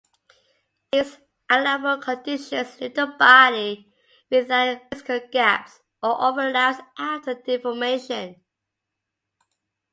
These allowable conditions leave the body without unphysical gaps or overlaps after a deformation.